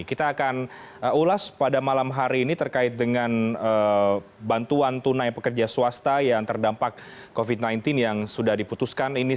kita akan ulas pada malam hari ini terkait dengan bantuan tunai pekerja swasta yang terdampak covid sembilan belas yang sudah diputuskan